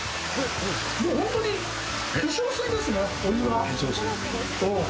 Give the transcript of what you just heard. もう本当に化粧水ですね、お湯が。